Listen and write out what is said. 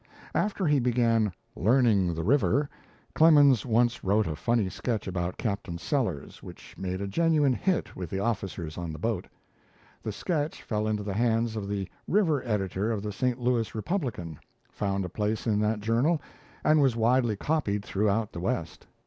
After he began "learning the river," Clemens once wrote a funny sketch about Captain Sellers which made a genuine "hit" with the officers on the boat. The sketch fell into the hands of the "river editor" of the 'St. Louis Republican', found a place in that journal, and was widely copied throughout the West.